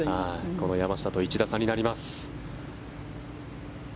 この山下と１打差になりました。